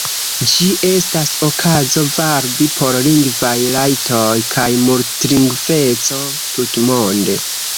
Ĝi estas okazo varbi por lingvaj rajtoj kaj multlingveco tutmonde.